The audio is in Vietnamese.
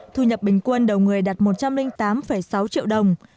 thu nhập bình quân đầu người đạt một trăm linh tám sáu triệu đồng